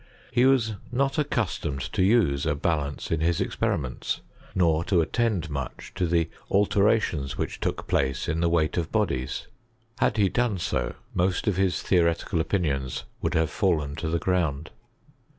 He was not accustomed to use a balance in his ex periments, nor to attend much to the alterations which took place in the weight of bodies. Had he CHSMISTliT IN GREAT BRITAIN* 23 done 80y most of his theoretical opinions would have fallen to the ground.